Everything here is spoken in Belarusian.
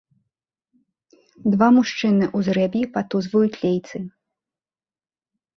Два мужчыны ў зрэб'і патузваюць лейцы.